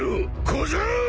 小僧！